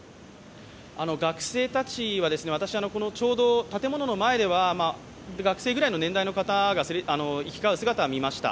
学生たちは、私、ちょうど建物の前では学生くらいの年代の人が行き交う姿は見ました。